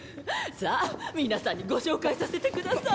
さあ皆さんにご紹介させてくださいな。